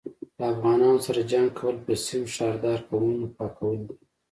له افغانانو سره جنګ کول په سيم ښاردار کوونه پاکول دي